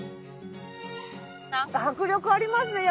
なんか迫力ありますね